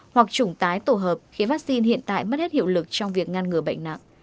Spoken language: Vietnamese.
hoặc trùng tái tổ hợp khiến vaccine hiện tại mất hết hiệu lực trong việc ngăn ngừa bệnh nặng